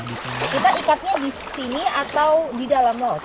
kita ikatnya di sini atau di dalam laut pak